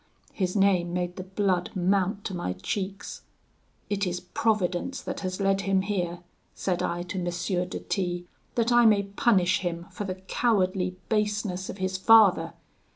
His name made the blood mount to my cheeks. 'It is Providence that has led him here,' said I to M. de T , that I may punish him for the cowardly baseness of his father.